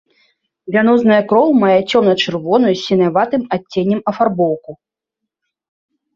Вянозная кроў мае цёмна-чырвоную з сіняватым адценнем афарбоўку.